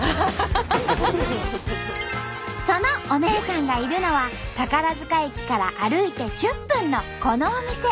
その「おねぇさん」がいるのは宝塚駅から歩いて１０分のこのお店。